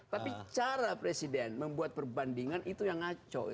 tapi cara presiden membuat perbandingan itu yang ngaco